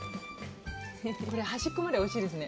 これ端っこまでおいしいですね